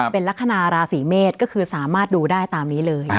เป็นลักษณะราศีเมษก็คือสามารถดูได้ตามนี้เลย